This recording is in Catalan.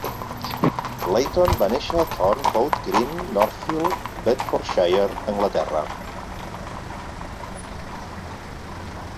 Layton va néixer a Thorncote Green, Northill, Bedfordshire, Anglaterra.